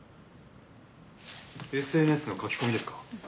ＳＮＳの書き込みですか？